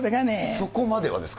そこまではですか。